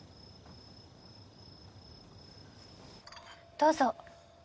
どうぞ。